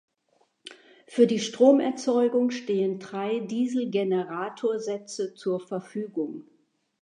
Für die Stromerzeugung stehen drei Dieselgeneratorsätze zur Verfügung.